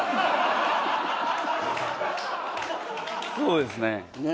そうですね。